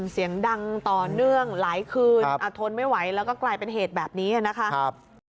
เสียงดังต่อเนื่องหลายคืนทนไม่ไหวแล้วก็กลายเป็นเหตุแบบนี้นะครับ